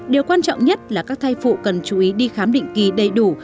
điều quan trọng nhất là các thai phụ cần chú ý đi khám định kỳ đầy đủ